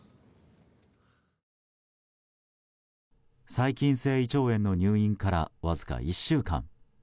細菌性胃腸炎の入院からわずか１週間。